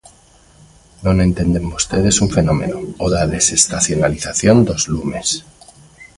Non entenden vostedes un fenómeno: o da desestacionalización dos lumes.